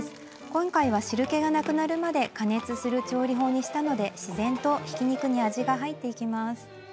今回は汁けがなくなるまで加熱する調理法にしましたので自然と、ひき肉に味が入っていきます。